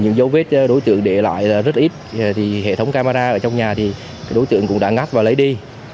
những dấu vết đối tượng để lại rất ít thì hệ thống camera ở trong nhà thì đối tượng cũng đã ngắt và lấy đi